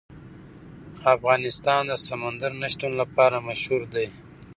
افغانستان د سمندر نه شتون لپاره مشهور دی.